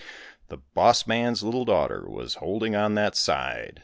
The boss man's little daughter was holding on that side.